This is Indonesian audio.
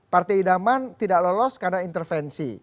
partai idaman tidak lolos karena intervensi